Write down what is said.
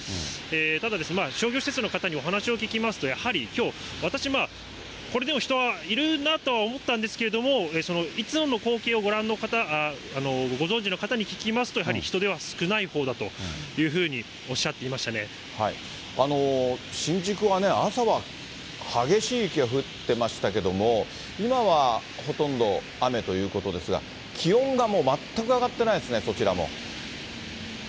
ただ商業施設の方にお話を聞きますと、やはり、きょう、私、これでも人はいるなとは思ったんですけれども、いつもの光景をご覧の方、ご存じの方に聞きますと、やはり人出は少ないほうだというふうに新宿はね、朝は激しい雪が降ってましたけれども、今はほとんど雨ということですが、気温がもう、全く上がってないですね、そちらも。